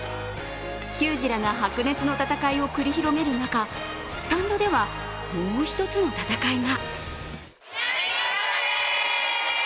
球児らが白熱の戦いを繰り広げる中、スタンドでは、もう一つの戦いが。